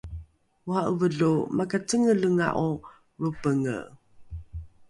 ora’eve lo makacengelenga’o lropenge